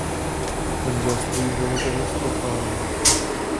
Manželství bylo katastrofální.